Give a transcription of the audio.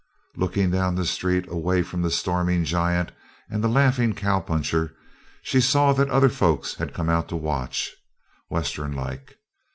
Looking down the street away from the storming giant and the laughing cowpuncher, she saw that other folk had come out to watch, Westernlike.